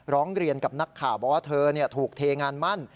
ร้องเรียนกับนักข่าวบอกว่าเธอถูกเทงานมั่น